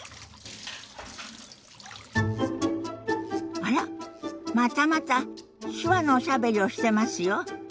あらまたまた手話のおしゃべりをしてますよ。